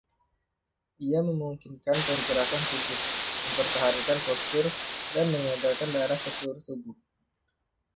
Ini memungkinkan pergerakan tubuh, mempertahankan postur, dan mengedarkan darah ke seluruh tubuh.